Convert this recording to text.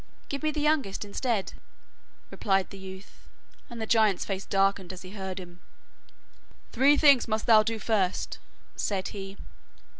'Give me the youngest instead,' replied the youth, and the giant's face darkened as he heard him. 'Three things must thou do first,' said he.